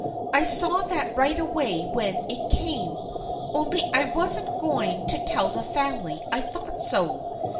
I saw that right away when it came, only I wasn't going to tell the family I thought so.